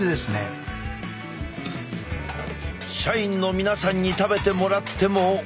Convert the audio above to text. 社員の皆さんに食べてもらっても。